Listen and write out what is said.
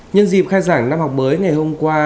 nhân dịp khai giảng năm học mới ngày hôm qua